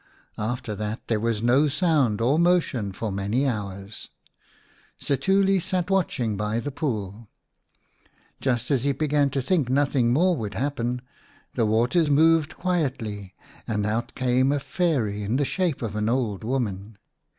After that there was no sound or motion for many hours. Setuli sat watching by the pool. Just as he began to think nothing more would happen, the water moved quietly and out came a Fairy in the shape of an old woman.